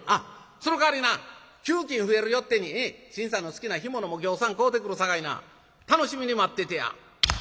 そのかわりな給金増えるよってに信さんの好きな干物もぎょうさん買うてくるさかいな楽しみに待っててや」。